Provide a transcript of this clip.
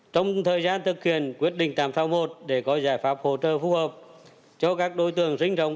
trong thời gian thực hiện quyết định tám một để có giải pháp hỗ trợ phù hợp cho các đối tượng rinh rộng